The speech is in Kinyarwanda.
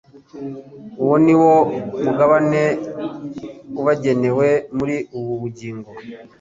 Uwo ni wo mugabane ubagenewe muri ubu bugingo